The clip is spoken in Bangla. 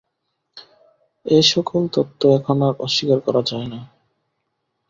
এ-সকল তথ্য এখন আর অস্বীকার করা যায় না।